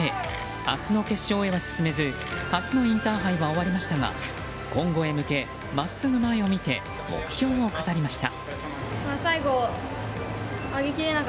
明日の決勝へは進めず初のインターハイは終わりましたが今後へ向けまっすぐ前を見て目標を語りました。